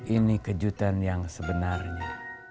ini kejutan yang sebenarnya